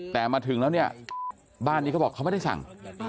แต่มาถึงแล้วเนี่ยบ้านนี้เขาบอกเขาไม่ได้สั่ง